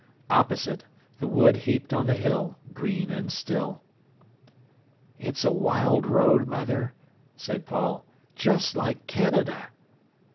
Opposite, the wood heaped on the hill, green and still. "It's a wild road, mother," said Paul. "Just like Canada."